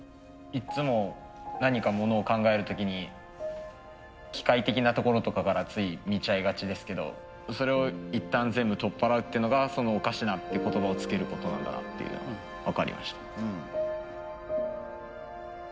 いっつも何かものを考える時に機械的なところとかからつい見ちゃいがちですけどそれを一旦全部取っ払うっていうのがその「おかしな」っていう言葉をつけることなんだなっていうのが分かりました。